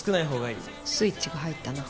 スイッチが入ったな。